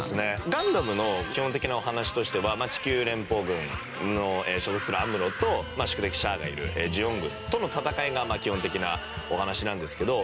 『ガンダム』の基本的なお話としては地球連邦軍に所属するアムロと宿敵シャアがいるジオン軍との戦いが基本的なお話なんですけど。